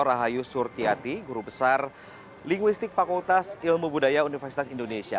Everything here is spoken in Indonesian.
rahayu surtiati guru besar linguistik fakultas ilmu budaya universitas indonesia